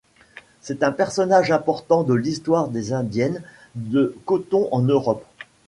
C'est un personnage important de l'histoire des indiennes de coton en Europe.